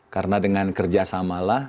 karena dengan kerjasamalah